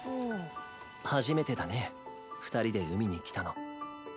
初めてだね２人で海に来たの。